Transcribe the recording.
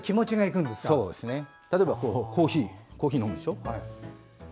例えば、コーヒーを飲むでしょ。